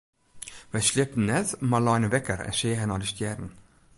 Wy sliepten net mar leine wekker en seagen nei de stjerren.